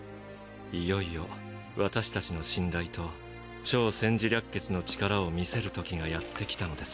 いよいよ私たちの信頼と『超・占事略決』の力を見せるときがやってきたのです。